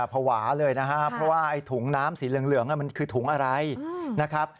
ภาวะเลยนะครับเพราะว่าไอ้ถุงน้ำสีเหลืองมันคือถุงอะไรนะครับ